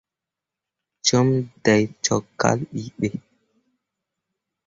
Cum dai cok kal bi be.